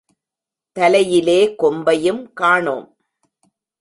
தலையிலே கொம்பையும் காணோம்.